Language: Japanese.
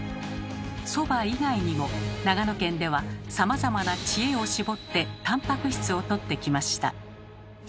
そば以外にも長野県ではさまざまな知恵を絞ってタンパク質をとってきました。